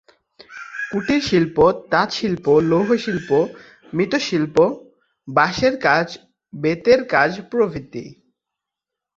কুটিরশিল্প তাঁতশিল্প, লৌহশিল্প, মৃৎশিল্প, বাঁশের কাজ, বেতের কাজ প্রভৃতি।